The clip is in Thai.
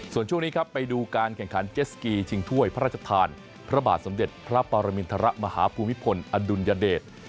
ส่วนช่วงนี้ครับไปดูการแข่งขันเจสกีชิงถ้วยพระราชทานพระบาทสมเด็จพระปรมินทรมาฮภูมิพลอดุลยเดช